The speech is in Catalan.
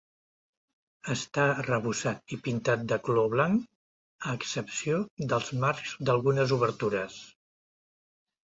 Està arrebossat i pintat de color blanc, a excepció dels marcs d'algunes obertures.